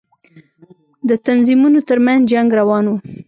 د تنظيمونو تر منځ جنگ روان و.